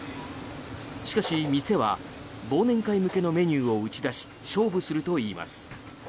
しかし、店は忘年会向けのメニューを打ち出し勝負するといいます。